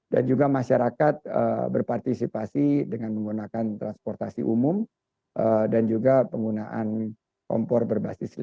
dan juga masyarakat berpartisipasi dengan menggunakan transportasi umum dan juga penggunaan kompor berbasis listrik untuk menggantikan kompor berbasis fossil fuel